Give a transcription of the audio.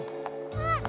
あっ！